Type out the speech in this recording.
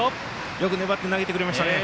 よく粘って投げてくれましたね。